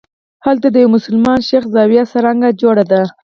هلته د یوه مسلمان شیخ زاویه څرنګه جوړه وه.